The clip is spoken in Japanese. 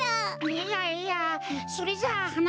いやいやそれじゃあはな